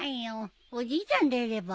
おじいちゃん出れば？